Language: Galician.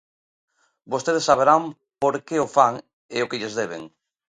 Vostedes saberán por que o fan e o que lles deben.